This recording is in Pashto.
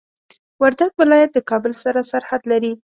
وردګ ولايت د کابل سره سرحد لري.